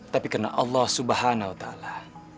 tapi karena allah subhanahu wa ta'ala